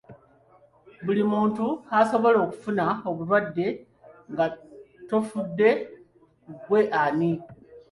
Buli muntu asobola okufuna obulwadde nga tofudde ku ggwe ani.